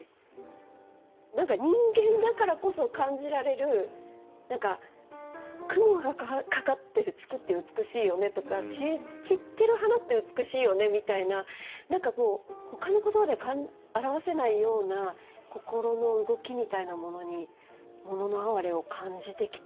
何か人間だからこそ感じられる雲がかかってる月って美しいよねとか散ってる花って美しいよねみたいな何かほかの言葉では表せないような心の動きみたいなものに「もののあはれ」を感じてきたのかな？